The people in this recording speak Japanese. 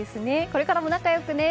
これからも仲よくね。